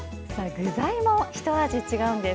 具材もひと味違うんです。